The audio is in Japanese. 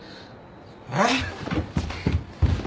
えっ！？